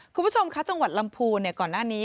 คุณผู้ชมคะจังหวัดลำพูนก่อนหน้านี้